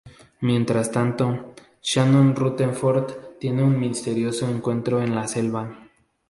Mientras tanto, Shannon Rutherford tiene un misterioso encuentro en la selva.